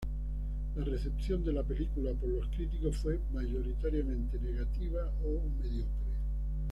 La recepción de la película por los críticos fue mayoritariamente negativa o mediocre.